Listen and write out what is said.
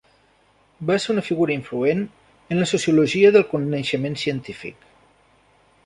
Va ser una figura influent en la sociologia del coneixement científic.